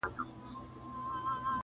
یا بارېږه زما له سرایه زما له کوره,